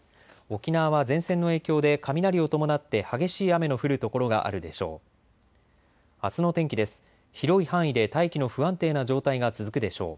沖縄は前線の影響で雷を伴って激しい雨の降る所があるでしょう。